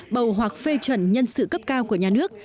bầu hoặc phê chuẩn nhân sự cấp cao của nhà nước